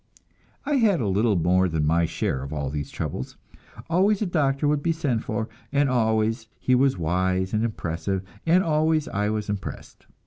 I had a little more than my share of all these troubles. Always a doctor would be sent for, and always he was wise and impressive, and always I was impressed.